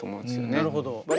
なるほど。